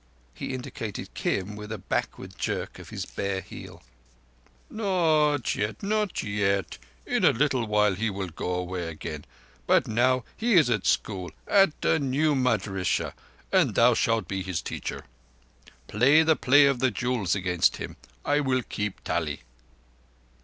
He indicated Kim with a backward jerk of his bare heel. "Not yet—not yet. In a little while he will go away again. But now he is at school—at a new madrissah—and thou shalt be his teacher. Play the Play of the Jewels against him. I will keep tally."